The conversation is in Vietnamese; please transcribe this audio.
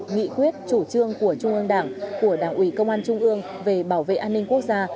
nghị quyết chủ trương của trung ương đảng của đảng ủy công an trung ương về bảo vệ an ninh quốc gia